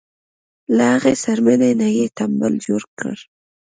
له هغې څرمنې نه یې تمبل جوړ کړی.